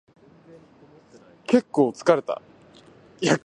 結構疲れた